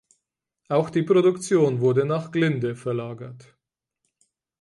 Auch die Produktion wurde nach Glinde verlagert.